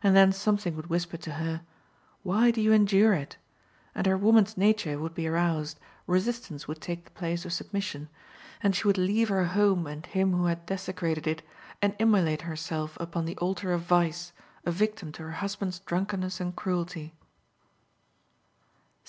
And then something would whisper to her, "Why do you endure it?" and her woman's nature would be aroused, resistance would take the place of submission, and she would leave her home and him who had desecrated it, and immolate herself upon the altar of vice, a victim to her husband's drunkenness and cruelty.